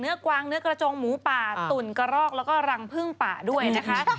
พวกพวกวางเนื้อกระจงหมูป่าตุ่นกรอกและก็รังเพื่ิ่งป่าด้วยนะคะ